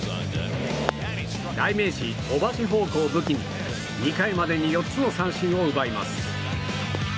代名詞、お化けフォークを武器に２回までに４つの三振を奪います。